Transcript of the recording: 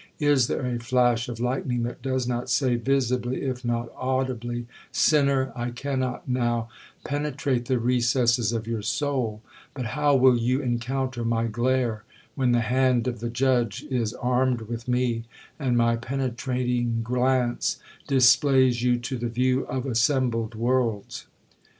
Is there a flash of lightning that does not say, visibly, if not audibly, 'Sinner, I cannot now penetrate the recesses of your soul; but how will you encounter my glare, when the hand of the judge is armed with me, and my penetrating glance displays you to the view of assembled worlds?'